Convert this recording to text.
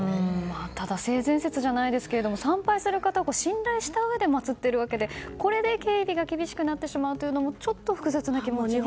ただ、性善説じゃないですけど参拝する方は信頼したうえで祭っているわけでこれで警備が厳しくなってしまうというのもちょっと複雑ですね。